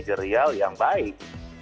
jadi ini adalah hal yang baik